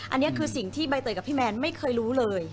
อันนี้คือสิ่งที่ใบเตยกับพี่แมนไม่เคยรู้เลย